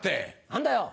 何だよ！